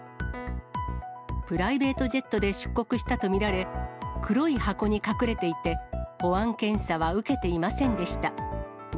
プライベートジェットで出国したと見られ、黒い箱に隠れていて、保安検査は受けていませんでした。